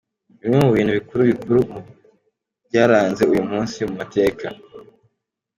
Bimwe mu bintu bikuru bikuru mu gyarnze uyu munsi mu mateka .